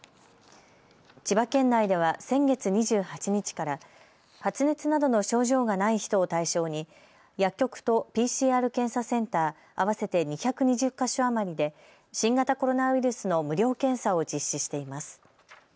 千葉県内では先月２８日から発熱などの症状がない人を対象に薬局とＰＣＲ検査センター、合わせて２２０か所余りで新型コロナウイルスの無料検査を実施しています。